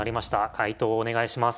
解答お願いします。